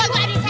jangan penuh ya